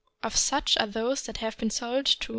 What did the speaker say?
Of such are those that have been sold to M.